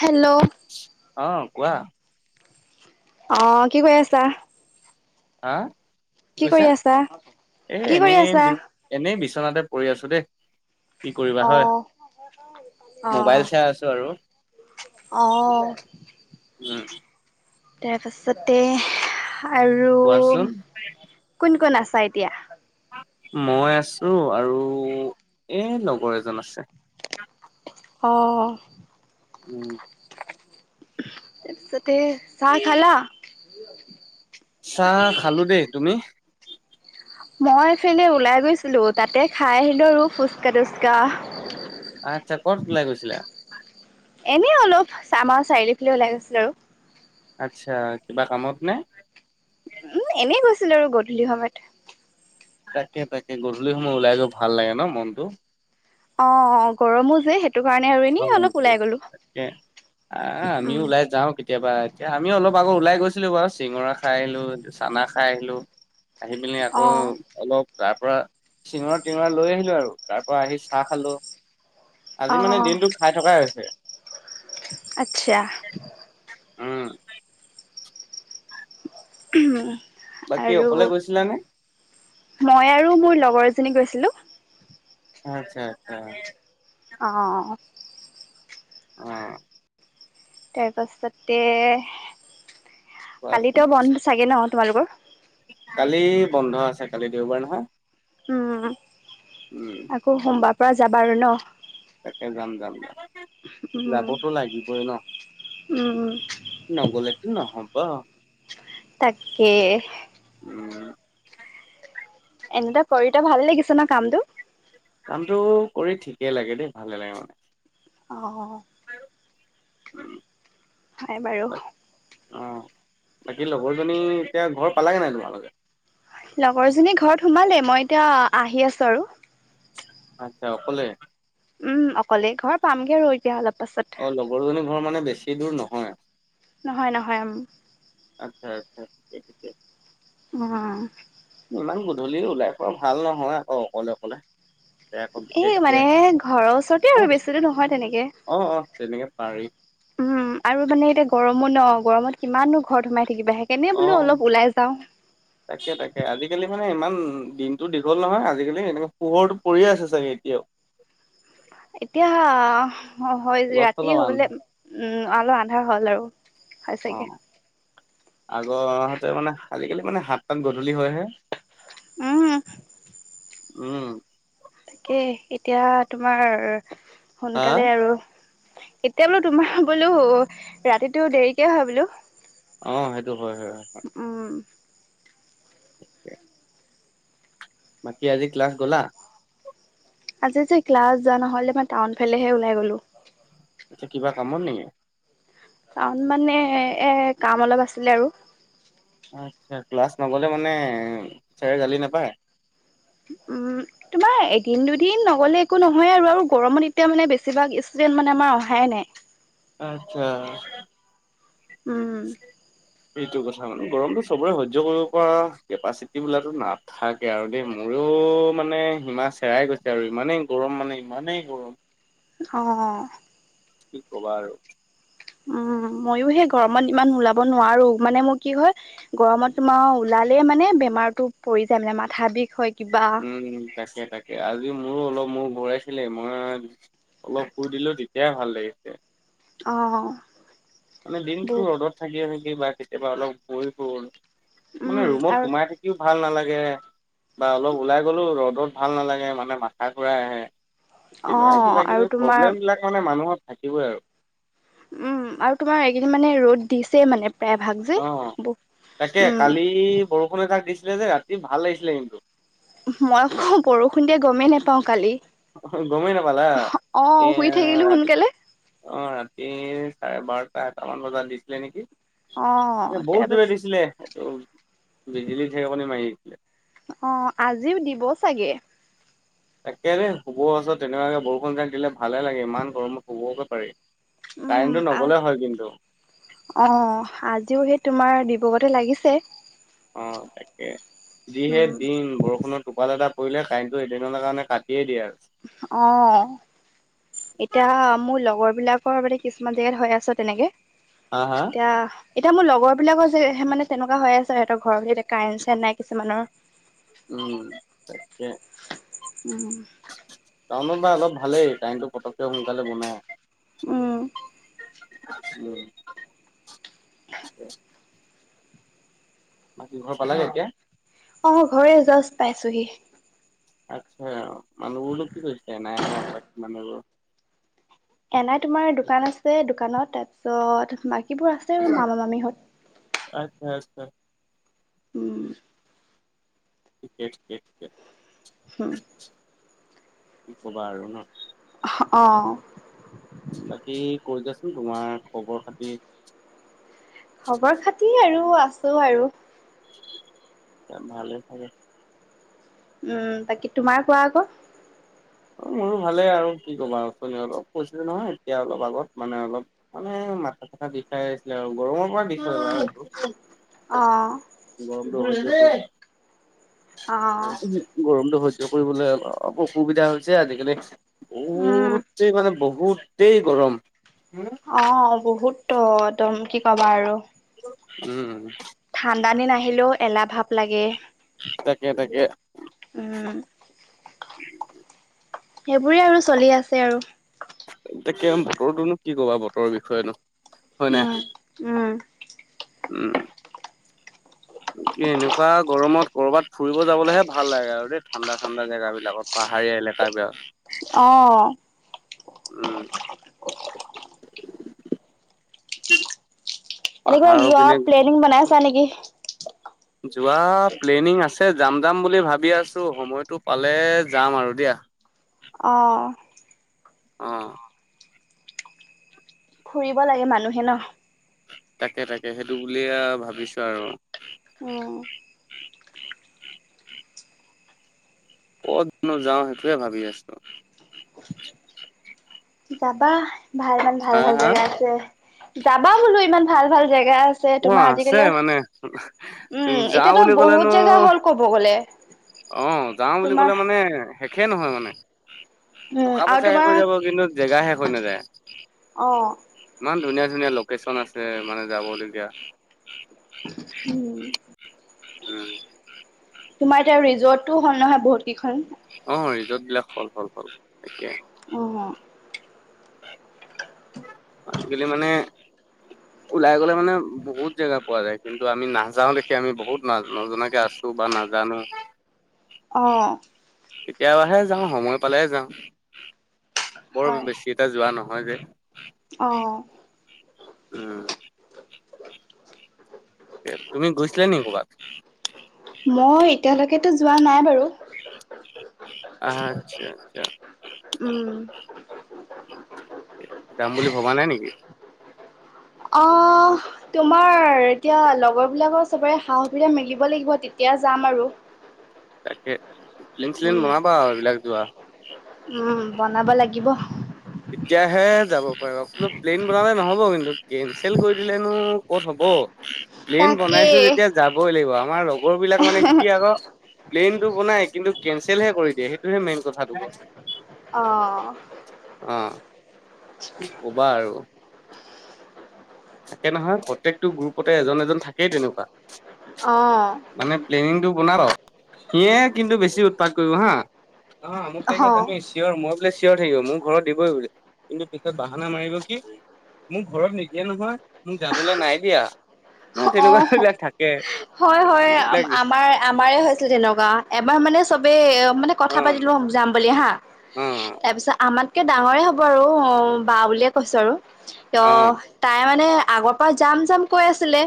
Hello অ', কোৱা? অ কি কৰি আছা? হা কি কৰি কৈছা আছা এ কি কৰি এনেই আছা বি এনেই বিচ- নাতে পৰি আছো দেই। কি কৰিবা অ হয় মোবাইল চাই আছো, আৰু। অহ উম তাৰপাছতে আৰু কোৱাচোন কোন কোন আছ- চাই এতিয়া মই আছো আৰু এ লগৰ এজন আছে। আহঁ উম তাৰপিছতে চাহ খালা। চাহ খালো দেই তুমি? মই এইফিনে ওলাই গৈছিলো তাতে খাই আহিলো ৰূ ফুচকা তুচকা। আচ্ছা ক'ত ওলাই গৈছিলা? এনে অলপ চামা চাৰি দি পে ওলাই গৈছিলো, আৰু আচ্ছা কিবা কামত নে? উম এনেই গৈছিল আৰু গধূলি সময়ত। তাকে তাকে গধূলি সময় ওলাই গৈ ভাল লাগে ন মনটো। অ অ গৰমো যে সেই। তাকে আহ আমিও উম ওলাই যাও কেতিয়াবা। এতিয়া আমিও অলপ আগত ওলাই গৈছিলো বাৰু চিঙৰা খাই আহিলো, চানা খাই আহিলো, আহি পেলি অ আকৌ অলপ তাৰ পৰা চিঙৰা টিঙৰা লৈ আহিলো আৰু তাৰ পৰা আহি চাহ খালো। অ আজি মানে দিনটো খাই থকাই হৈছে। আচ্ছা উম উ বাকী আৰু অকলে গৈছিলা নে মই আৰু মোৰ লগৰ, চিনি গৈছিলোঁ। আচ্ছা আচ্ছা। অঁ অ তাৰপাছতে কোৱাচোন কালিতো বন্ধ চাগে ন তোমালোকৰ? কালি বন্ধ আছে কালি দেওবাৰ নহয়। উম আকৌ সোমবাৰ পৰা যাবা আৰু ন। তাকে যাম যাম যাম উম যাবতো লাগিবই ন। উম নগলেটো নহবা। তাকে। উম এনো কৰিটো ভালে লাগিছে ন কামটো? কামটো কৰি ঠিকে লাগে দেই ভালে লাগে মানে। আহ! হয় বাৰু। অঁ বাকী লগৰজনী এতিয়া ঘৰ পালাগে নাই তোমালোকে? লগৰ জনী ঘৰত সোমালে মই এতিয়া আহি আছো আৰু। আহি আছে অকলে। উম অকলে ঘৰ পামগে আৰু এতিয়া অলপ পাছত অ লগৰজনী ঘৰ মানে বেছি দূৰ নহয়। নহয় নহয় আম। ম অ। ইমান গধূলি ওলাই ফুৰা ভাল নহয় আকৌ অকলে অকলে। তে আকৌ এ বিশেষকে মানে ঘৰৰ ওচৰতে আৰু বেছি দুৰ নহয় তেনেকে। অ অ তেনেকে পাৰি উম আৰু মানে এতিয়া গৰমো ন গৰমত কিমানো ঘৰ সোমাই থাকিবা সেইকাৰনে অ বোলো অলপ ওলাই যাওঁ। তাকে তাকে আজিকালি মানে ইমান দিনতো দীঘল নহয় আজিকালি এনেকে পোহৰটো পৰিয়ে আছে চাগে এতিয়াও। এতিয়া হয় অলপ ৰাতি চলপ হবলৈ আন্ধাৰ উম অলপ আন্ধাৰ হল আৰু। হয় হৈছেগে। আগৰতে মানে আজিকালি মানে হাতটাত গধূলী হয় হে। উম উম তাকেই এতিয়া তোমাৰ হা সোনকালে আৰু এতিয়া বোলো তোমাৰ বোলো ৰাতিটো দেৰিকে হয় বোলো। অ সেইটো হয় হয় হয় হয়। উম। ম বাকী আজি ক্লাছ গলা? আজি যে ক্লাছ যোৱা নহলে মই টাউন ফালেহে ওলাই গলো। এয়া কিবা কামত নেকি? কাৰন মানে এ কাম অলপ আছিলে আৰু। আচ্ছা ক্লাছ নগ'লে মানে ছাৰে গালি নাপায়? অ আমাৰ এদিন দুদিন নগলে একো নহয় আৰু আৰু গৰমত এতিয়া মানে বেছিভাগ ষ্টুডেন্ট মানে আমাৰ অহাই নাই। আটচা। উম। সেইটো কথা মানে গৰমতটো চবৰে সহ্য কৰিব পৰা কেপাচিটি বুলাটো নাথাকে আৰু দেই মোৰ। আৰু মানে সীমা হেৰাই গৈছে আৰু ইমানেই গৰম মানে ইমানেই গৰম অ। কি কবা আৰু। অ। মইও সেই গৰমত ইমান ওলাব নোৱাৰো মানে মোৰ কি হয় গৰমত তোমাৰ ওলালে মানে ব বেমাৰটো পৰি যায় মানে মাঠা বিষ হয়। কিবা উম তাকে তাকে আজি মোৰো অলপ মোৰ ঘূৰাইছিলে মই অলপ শুই দিলো তেতিয়ে ভাল লাগিছে। অ! মানে দিনতো বুক ৰ'দত থাকি থাকি বা কেতিয়াবা অলপ বৈ গল উম, মানে ৰুমত আৰু সোমাই থাকিও ভাল নালাগে। বা অলপ ওলাই গ'লো ৰ'দত ভাল নালাগে মানে মাথা ঘুৰাই আহে। তেনেকুৱা অ', কিবা আৰু কিবি তোমাৰ প্ৰব্লেম বিলাক মানে মানুহৰ থাকিবই আৰু। উম আৰু তোমাৰ এইকেইদিন মানে ৰ'দ দিছে মানে। প্ৰায় ভাগ যে। অ তাকে উম, কালি বৰষুণে তাক দিছিলে যে ৰাতি ভাল লাগিছিলে কিন্তু। মই আক বৰষুণ দিয় গমেই নোপাও কালি। গমেই নাপালা অ', শুই এয়া থাকিলো ৰা সোনকালে অ ৰাতি। চাৰে বাৰটা এটামান বজাত দিছিলে নেকি অ', এ বহুত জোৰে তাৰপাছত দিছিলে এইটো। বিজুলী ঢেৰেকণি মাৰি আহিছিলে অ আজিও দিব চাগে তাকে দেই শুব ওচৰত তেনেকুৱাকে বৰষুণ যোই দিলে ভালে লাগে ইমান গৰমত শুবকে পাৰি উম কাৰেণ্টটো নগ'লে হয় কিন্তু আহ অ আজিও সেই তোমাৰ দিবগতে লাগিছে অ তাকে যিহে উম দিন বৰষুণত টোপাল এটা কৰিলে কাৰেন্টো এদিনৰ কাৰণে কাটিয়েই দিয়ে আৰু অ এতিয়া মোৰ লগৰ বিলাকৰ মানে কিছুমান জেগাত হৈ আছে তেনেকে হা হা এতিয়া এতিয়া মোৰ লগৰ বিলাকৰ যে মানে তেনেকুৱা হৈ আছে সিহঁতৰ ঘৰত এতিয়া কাৰেণ্ট চাৰেণ্ট নাই কিছুমানৰ উম তাকে উম টাউনত বা অলপ ভালেই টাইনটো পটকৈ সোনকালে বনাই উম উম বাকী ঘৰ পালেগে এতিয়া অ ঘৰে জাষ্ট পাইছোহি আচ্ছা মানুহ বোৰ নো কি কৰিছে এনাই হত বাকী মানুহ বোৰ এ নাই তোমাৰ দোকান আছে দোকানত তাৰপিছত বাকী। বাকীবোৰৰ আছে আৰু মামা মামিহঁত। অ। উম। ঠিকেই ঠিকে ঠিকে। হুম। কি কবা আৰু ন। অ। বাকী ক ই জাচোন তোমাৰ খবৰ খাতি। খবৰ খাতি আৰু আছো আৰু। ভালে চাগে। উম বাকী তোমাৰ কোৱা আকৌ। মোৰো ভালে আৰু কি ক'বা আচনি অলপ কৈছিলো নহয় এতিয়া অলপ আগত মানে অলপ মানে। মাথা চাথা বিষাই আছিলে আৰু গৰমৰ অ', পৰা। [unintelligible] অ', গৰমটো হৈছে কৰিবলৈ অলপ অসুবিধা হৈছে আজিকালি। উম, বহুতেই মানে বহুতেই গৰম। অ বহুত একদম কি ক'বা আৰু। উম। থান্দা দিন আহাহিলেও এলাহ ভাৱ লাগে। তাকে তাকে। উম। সেইবোৰে আৰু চলি আছে আৰু। তাকে বতৰটোনো কি কবা বতৰৰ বিষয়েনো। হয় উম নাই উম। উম। [unintelligible] কি এনেকুৱা গৰমত কৰ'বাত ফুৰিব যাবলৈহে ভাল লাগে আৰু দেই ঠাণ্ডা- ঠাণ্ডা জেগাব বিলাকত পাহাৰীয়া েকা প [inaudible] অ। উম। এনেকুৱা পাহাৰৰ যোৱা পিনে প্লেনিং বনাইছা নেকি? যোৱা প্লেনিং আছে। ছে যাম যাম বুলি ভাবি আছো সময়টো পালে যাম আৰু দিয়া। অ'। অ। ফুৰিব লাগে মানুহে ন। তাকে তাকে সেইটো বুলিয়ে ভাবিছো, আৰু। উম, কতনো যাও সেইটোয়ে ভাবি আছো। যাবা ভাল ইমান ভাল হা ভাল হা জেগা আছে যাবা বোলো ইমান ভাল ভাল। জেগা আছে অ তোমাৰ আছে আজিকালিও মানে উম যাওঁ এতিয়াতো বুলি বহুত ক'লেনো জেগা হ'ল ক'ব গ'লে। অ যাওঁ বুলি তোমাৰ কলে মানে শেষে নহয় মানে, । উম, টকা আৰু পইচা শেষ তোমাৰ হৈ যাব কিন্তু জেগা শেষ হৈ নাযায়। অ', ইমান ধুনীয়া ধুনীয়া লোকেশচন আছে মানে যাবলগীয়া। উম। উম। তোমাৰ এতিয়া ৰিজৰ্টো হ'ল নহয় বহুত কেইখন। অ ৰিজৰ্ট বিলাক হল হল হল তাকয়ে। উম। আজিকালি মানে, । ওলাই গ'লে মানে বহুত জেগা পোৱা যায় কিন্তু আমি নাযাও দেখি আমি বহুত ন নজনাকে আছো বা নাজানো। অহ। কেতিয়াবাহে যাওঁ সময় পালে যাওঁ, বৰ হয়, বেছি এটা যোৱা নহয় যে। অ। উম তুমি গৈছিলা নি ক'বাত? মই এতিয়ালৈকেতো যোৱা নাই বাৰু। আচ্ছা আচ্ছা। উম, যাম বুলি ভবা নাই নেকি? অ তোমাৰ এতিয়া লগৰবিলাকৰ চবৰে সা- সুবিধা মিলিব লাগিব তেতিয়া এতিয়া যাম আৰু। তাকে প্লিন চিন উম, বনাবা আৰু এইবিলাক যোৱা। উম বনাব লাগিব। তেতিয়াহে যাব পাৰিব অকলো প্লেন বনালে নহব কিন্তু কেনচেল কৰি দিলেনো কত হব। প্লেন তাকে বনাইছো যেতিয়া যাবই লাগিব আমাৰ লগৰবিলাক মানে কি আকৌ প্লেইনটো বনাই কিন্তু কেনঞ্চেলহে কৰি দিয়ে সেইটোহে মেইন কথাটো। অ। অ কবা আৰু। থাকে নহয় প্ৰত্যেকটো গ্ৰুপতে এজন এজন থাকেই তেনেকুৱা। অ। মানে প্লেনিংটো বনাব, সিয়ে কিন্তু বেছি উৎপাত কৰিব হা। অ মোক পে [inaudible] অ', তমি শৰ ম। চিয়ৰ থাকিব মোৰ ঘৰত দিবই বো কিন্তু পিছত বাহানা মাৰিব কি মোৰ ঘৰত এয়া নহয় মোক যাবলৈ নাই দিয়া ন অ', তেনেকুৱাবিলাক থাকে। হয় হয় মানুহ বিলাক আমাৰ আমাৰে হৈছিল তেনেকুৱা, এবাৰ মানে চবেই মানে অ কথা পাতিলো যাম বুলি হা, অ তাৰ পিছত আমাৰ কে ডাঙৰে হ'ব আৰু বা বুলিয়ে কৈছো আৰু ত অ তাই মানে- আগৰ পৰা যাম জাম কৈ আছিলে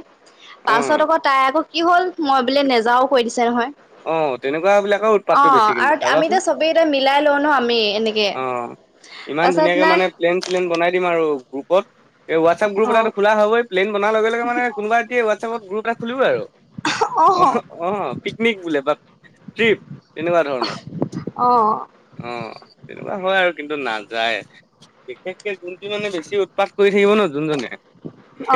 অ পাছত আকৌ তাই আকৌ- কি হ'ল মই বোলে নেজাও কৈ দিছে নহয়। অ তেনেকুৱা বিলাকৰ উৎপাতটো অঁ বেছি কিন্তু আৰু চাবাচোন আমিটো এতিয়া চবেই এতিয়া মিলাই লওঁ ন আমি এনেকে। অ ইমান তাৰপাছত ধুনীয়াকে নাই মানে প্লেন চেলেন বনাই দিম আৰু গ্ৰুপত। এই হোৱাটছ আপ গ্ৰুপ অ এটাটো খোলা হবই প্লেন বনা লগে লগে মানে কোনোবা কি হোৱাটছেপত গ্ৰুপ এটা খুলিবই আৰু। অ অহ অঁ পি পিকনিক বোলে বা ট্ৰিপ এনেকুৱা ধৰণৰ অ অঁ। কোৱা হয় আৰু কিন্তু নাযায়, বিশেষকে যোনটি মানে বেছি উৎপাত কৰি থাকিব ন যোনজনে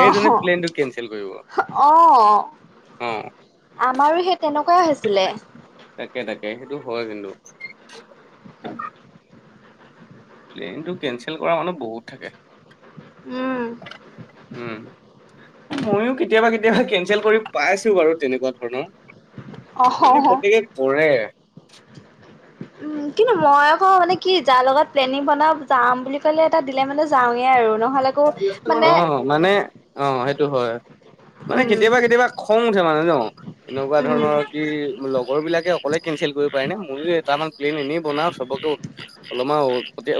অহ প্লেনটো কেনচেল কৰিব অহ। অ আমাৰো সেই তেনেকুৱাই হৈছিলে। তাকে তাকে সেইটো হয় কিন্তু। প্লেইনটো কেনচেল কৰা মানুহ বহুত থাকে। উম উম, ময়ো কেতিয়াবা কেতিয়াবা কেন চেল কৰি পাইছো বাৰু তেনেকুৱা ধৰণৰ, অ মানে প্ৰত্যেকে কৰে। উম কিনো মই আকৌ মানে কি যাৰ লগত প্লেনিং বনাম যাম বুলি কলে এটা দিলে মানে যাম। মেই আৰু ন। অঁ মানে অ সেইটো হয়। মানে উম, কেতিয়াবা কেতিয়াবা খং উঠে মানে যে মোক, এনেকুৱা উম, ধৰণৰ কি লগৰবিলাক অকলে কেন্সেল কৰিব পাৰে নে, ময়ো এটামান প্লেইন এনেই বনাও চবকে অলমান উ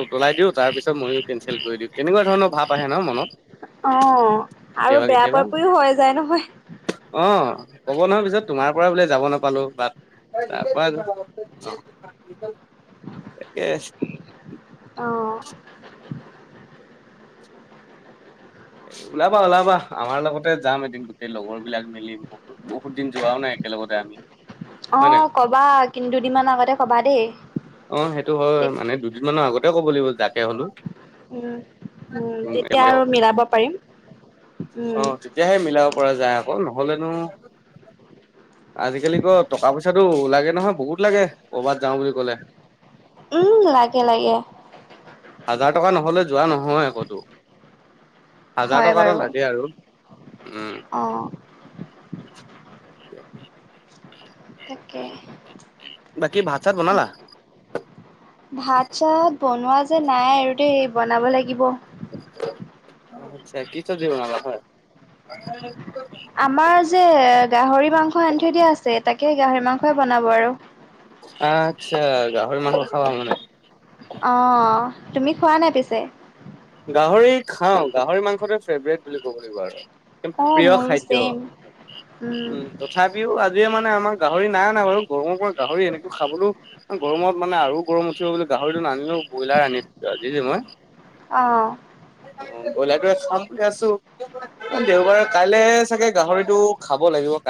উতলাই দিওঁ তাৰ পিছত ময়ো কেঞ্চেল কৰি দিওঁ কেনেকুৱা ধৰণৰ ভাৱ আহে ন মনত। অ আৰু কেতিয়াবা বেয়া কেতিয়াবা পোৱা পুই হৈ যায় নহয়। অ', ক'ব নহয় পিছত তোমাৰ পৰা বোলে যাব নাপালো বাট তাপা, ইয়েচ। [unintelligible] ওলাবা -ওলাবা আমাৰ লগতে যাম এদিন গোটেই লগৰ বিলাক মিলি বহুত -বহুত দিন যোৱাও নাই- একেলগতে আমি। হয় নাই। অঁ কবা কিন দুদিমান আগতে কবা দেই। অ সেইটো হয় মানে দুদিন মানৰ আগতে ক'ব লাগিব যাক- উম উম তেতিয়া আৰু মিলাব পাৰিম। উম। অ তেতিয়াহে মিলাব পৰা যায় আকৌ ন। হলেনো আজিকালি ক টকা পইচা- চাটো লাগে নহয় বহুত লাগে ক'ৰবাত যাওঁ বুলি ক'লে। উম লাগে লাগে। হাজাৰ টকা নহলে যোৱা নহয় আকতো হাজাৰ হয় টকা এটা বাৰু লাগে আৰু উম। [unintelligible] [unintelligible] তাকে। বাকী ভাত চাত বনালা ভাত চাত- বনোৱা যে নাই আৰু দেই বনাব লাগিব। আচ্ছা কি চবজি বনালা হয়? আমাৰ যে গাহৰি মাংস আনিথৈ দিয়া আছে তাকে গাহৰি মাংসই বনাব আৰু। আচ্ছা গাহৰি মাছ খাব মানে। অঁ অঁ তুমি খোৱা নাই পিছে? গাহৰি খাওঁ গাহৰি মাংসটোৱে ফেভৰেট বুলি ক'ব লাগিব আৰু। এদম অ', প্ৰিয় মোৰো খাদ্য ছেম উম তথাপিও আজি আমাৰ- নাই আমাৰ গাহৰি নাই নাই বাৰু গৰমৰ পৰা গাহৰি এনেকো খাবলো- গৰমত মানে আৰু গৰম উঠিব বুলি গাহৰিটো নানিলোও ব্ৰইলাৰ আনি দিছো আজি যে মই। অঁ! বইলাৰটো এ চব খাইছো দেওবাৰে কাইলে চাগে গাহৰিতটো খাব লাগিব ।